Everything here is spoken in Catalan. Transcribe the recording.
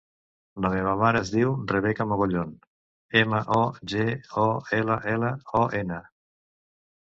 La meva mare es diu Rebeca Mogollon: ema, o, ge, o, ela, ela, o, ena.